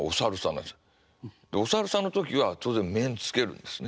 お猿さんの時は当然面つけるんですね。